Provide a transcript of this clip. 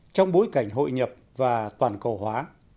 trong bối cảnh hội nhập và toàn cầu hóa